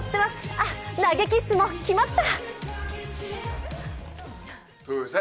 あっ、投げキッスも決まった！